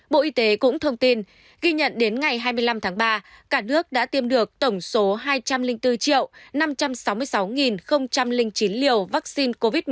bộ y tế cũng thông tin ghi nhận đến ngày hai mươi năm tháng ba cả nước đã tiêm được tổng số hai trăm linh bốn triệu năm trăm sáu mươi sáu chín liều vaccine covid một mươi chín